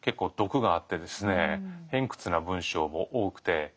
偏屈な文章も多くて。